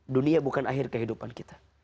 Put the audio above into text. dunia bukan akhir kehidupan kita